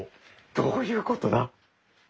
どういうことだ。